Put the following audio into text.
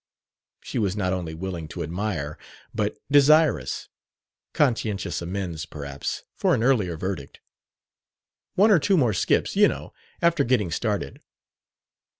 She was not only willing to admire, but desirous: conscientious amends, perhaps, for an earlier verdict. "One or two more skips, you know, after getting started."